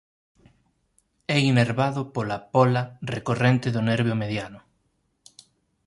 É innervado pola póla recorrente do nervio mediano.